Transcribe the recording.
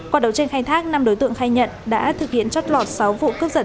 quả đầu trên khai thác năm đối tượng khai nhận đã thực hiện chót lọt sáu vụ cướp giật